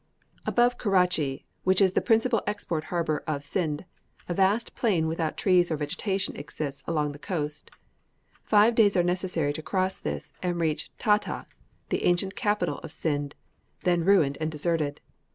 Above Keratchy, which is the principal export harbour of Scinde, a vast plain without trees or vegetation extends along the coast. Five days are necessary to cross this, and reach Tatah, the ancient capital of Scinde, then ruined and deserted.